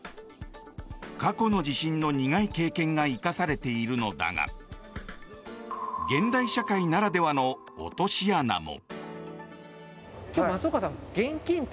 過去の地震の苦い経験が生かされているのだが現代社会ならではの落とし穴も。